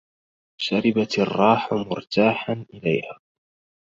شربت الراح مرتاحا إليها